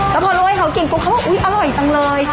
แล้วพอลั่วให้เขากินก็เขาว่าอุ๊ยอร่อยจังเลย